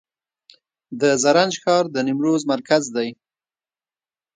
د زرنج ښار د نیمروز مرکز دی